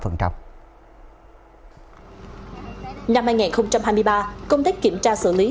năm hai nghìn hai mươi ba công tác kiểm tra xử lý